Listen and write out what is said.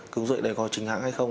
cứ dụng để có trình hãng hay không